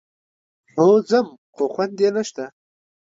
هو ځم، خو خوند يې نشته.